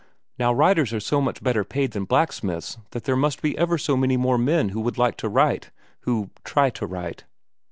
Now writers are so much better paid than blacksmiths that there must be ever so many more men who would like to write, who—try to write."